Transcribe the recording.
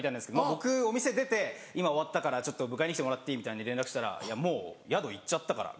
僕お店出て「今終わったから迎えに来てもらっていい？」連絡したら「もう宿行っちゃったから」